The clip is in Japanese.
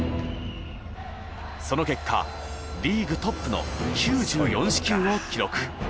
その結果リーグトップの９４四球を記録。